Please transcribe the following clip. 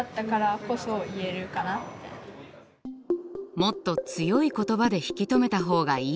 もっと強い言葉で引き止めた方がいい。